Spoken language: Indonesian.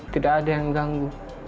tidak ada yang ganggu